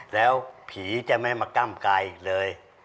แล้วผีจะไม่มาก้ำกายอีกเลย